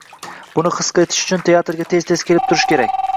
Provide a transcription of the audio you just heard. Buni his etish uchun teatrga tez-tez kelib turish kerak.